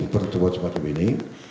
pertemuan semacam ini